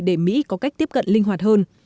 để mỹ có cách tiếp cận linh hoạt hơn